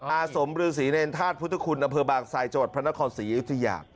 อาสมบรือศรีเนรธาตุพุทธคุณอำเภอบางศัยจัวร์พระนครศรีอยุธยา